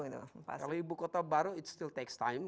kalau ibu kota baru it still takes time